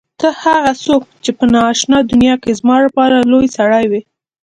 ته هغه څوک چې په نا آشنا دنیا کې زما لپاره لوى سړى وې.